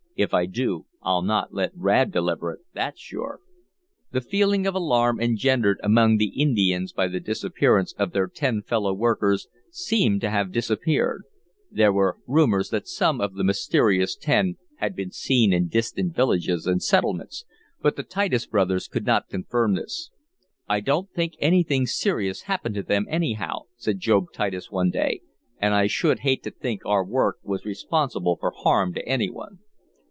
If I do, I'll not let Rad deliver it that's sure." The feeling of alarm engendered among the Indians by the disappearance of their ten fellow workers seemed to have disappeared. There were rumors that some of the mysterious ten had been seen in distant villages and settlements, but the Titus brothers could not confirm this. "I don't think anything serious happened to them, anyhow," said Job Titus one day. "And I should hate to think our work was responsible for harm to any one."